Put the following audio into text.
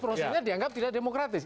prosesnya dianggap tidak demokratis